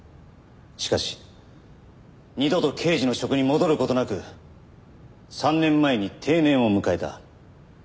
しかし二度と刑事の職に戻る事なく３年前に定年を迎えた。